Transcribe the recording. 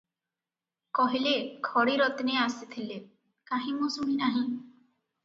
କହିଲେ, “ଖଡ଼ିରତ୍ନେ ଆସିଥିଲେ, କାହିଁ ମୁଁ ଶୁଣି ନାହିଁ?”